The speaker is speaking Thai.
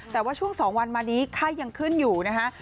แต่ว่าช่วง๒วันมานี้ไข้ยังขึ้นอยู่นะคะ